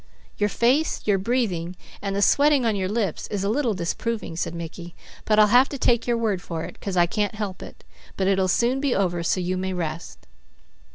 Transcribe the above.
"Your face, your breathing, and the sweating on your lips, is a little disproving," said Mickey, "but I'll have to take your word for it, 'cause I can't help it; but it'll soon be over so you may rest."